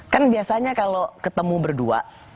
kan biasanya kalau ketemu berdua